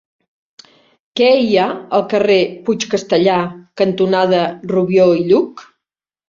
Què hi ha al carrer Puig Castellar cantonada Rubió i Lluch?